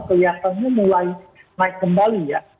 kelihatannya mulai naik kembali ya